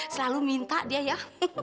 selalu minta dia ya